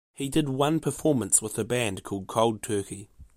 He did one performance with a band called Cold Turkey.